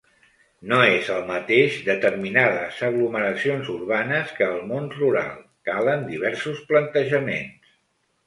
No és el mateix determinades aglomeracions urbanes que el món rural, calen diversos plantejaments.